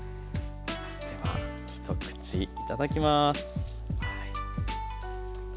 では一口いただきます。